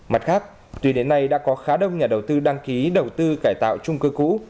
mặt khác tuy đến nay đã có khá đông nhà đầu tư đăng ký đầu tư cải tạo trung cư cũ